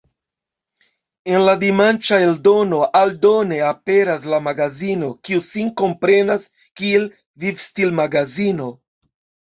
En la dimanĉa eldono aldone aperas la "Magazino", kiu sin komprenas kiel vivstil-magazino.